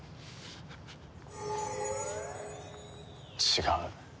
違う。